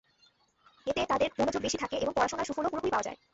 এতে তাঁদের মনোযোগ বেশি থাকে এবং পড়াশোনার সুফলও পুরোপুরি পাওয়া যায়।